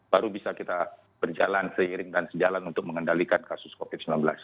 baru bisa kita berjalan seiring dan sejalan untuk mengendalikan kasus covid sembilan belas